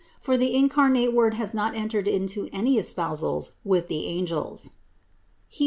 For the incarnate Word has not entered into any espousals with the angels, (Heb.